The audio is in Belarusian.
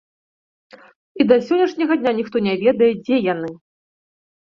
І да сённяшняга дня ніхто не ведае, дзе яны.